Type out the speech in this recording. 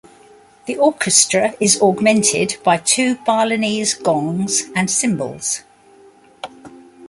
The orchestra is augmented by two Balinese gongs and cymbals.